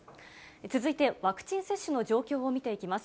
続いて、ワクチン接種の状況を見ていきます。